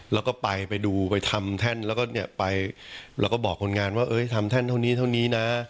แล้วก็ไปไปดูไปทำแท่นแล้วก็เนี่ยไปแล้วก็บอกคนงานว่าเอ้ยทำแท่นเท่านี้เท่านี้นะ